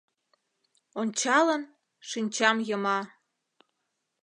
Ончалын, шинчам йыма.